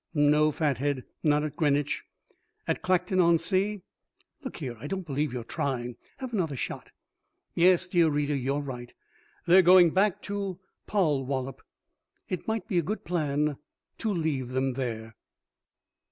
No, fathead, not at Greenwich. "At Clacton on Sea?" Look here, I don't believe you're trying. Have another shot.... Yes, dear reader, you are right. They are going back to Polwollop. It might be a good plan to leave them there.